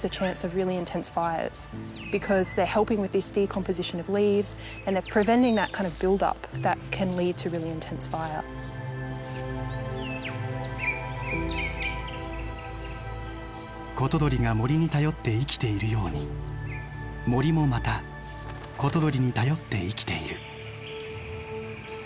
コトドリが森に頼って生きているように森もまたコトドリに頼って生きている。